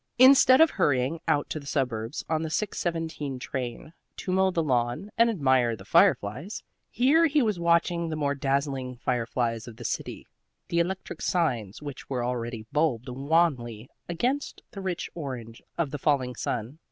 Instead of hurrying out to the suburbs on the 6:17 train, to mow the lawn and admire the fireflies, here he was watching the more dazzling fireflies of the city the electric signs which were already bulbed wanly against the rich orange of the falling sun.